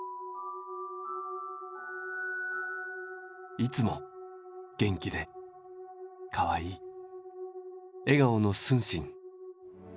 「いつも元気でかわいい笑顔の承信。